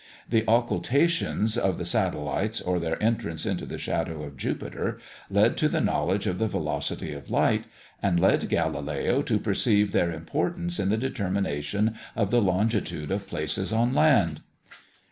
The occultations of the satellites, or their entrance into the shadow of Jupiter, led to the knowledge of the velocity of light; and led Galileo to perceive their importance in the determination of the longitude of places on land.